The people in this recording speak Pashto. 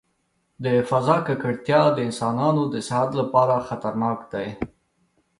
د فضا ککړتیا د انسانانو د صحت لپاره خطرناک دی.